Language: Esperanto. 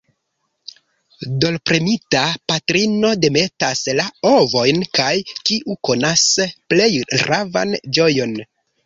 Dolorpremita, patrino demetas la ovojn, kaj, kiu konas plej ravan ĝojon?